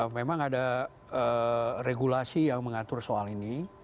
memang ada regulasi yang mengatur soal ini